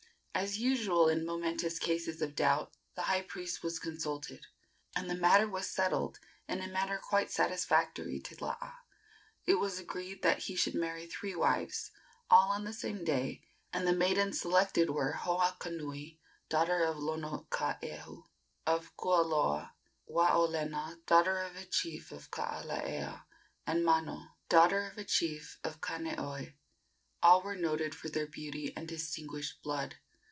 As usual in momentous cases of doubt, the high priest was consulted, and the matter was settled in a manner quite satisfactory to Laa. It was agreed that he should marry three wives, all on the same day, and the maidens selected were Hoakanui, daughter of Lonokaehu, of Kualoa; Waolena, daughter of a chief of Kaalaea; and Mano, daughter of a chief of Kaneohe. All were noted for their beauty and distinguished blood.